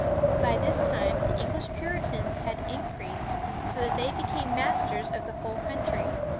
By this time, the English Puritans had increased so that they became masters of the whole country.